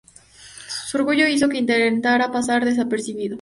Su orgullo hizo que intentara pasar desapercibido.